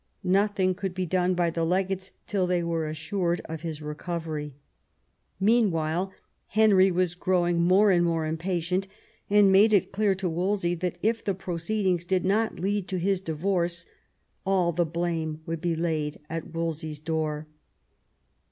Nothing could be done by the legates till they were assured of his recovery. Meanwhile Henry was growing more and more im patient, and made it clear to Wolsey that if the pro ceedings did not lead to his divorce all the blame would be laid at Wolsey's door.